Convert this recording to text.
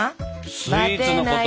スイーツのこと？